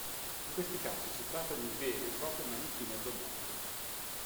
In questi casi si tratta di veri e propri manichini addobbati.